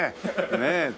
ねえ。